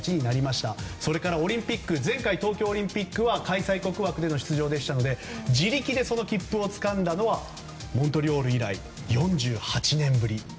それからオリンピック前回東京オリンピックは開催国枠での出場でしたので自力でその切符をつかんだのはモントリオール以来４８年ぶり。